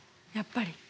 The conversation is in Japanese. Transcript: やっぱり。